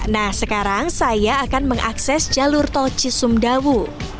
nah sekarang saya akan mengakses jalur tol cisumdawu